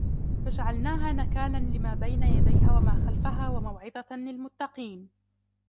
فجعلناها نكالا لما بين يديها وما خلفها وموعظة للمتقين